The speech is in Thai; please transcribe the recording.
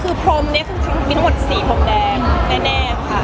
คือภรมเนี้ยมีทั้งหมดสีภรมแดงแน่ค่ะ